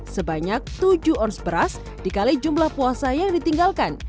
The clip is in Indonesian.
sebanyak tujuh ons beras dikali jumlah puasa yang ditinggalkan